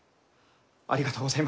ありがとうございます。